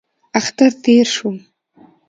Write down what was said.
اختر تېر شو.